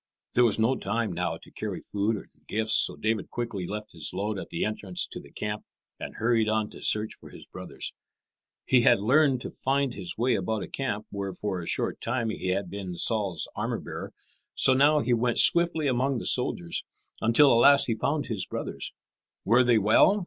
There was no time now to carry food and gifts, so David quickly left his load at the entrance to the camp and hurried on to search for his brothers. He had learned to find his way about a camp, where for a short time he had been Saul's armour bearer. So now he went swiftly among the soldiers, until at last he found his brothers. "Were they well?"